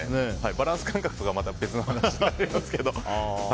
バランス感覚が別の話になりますけど。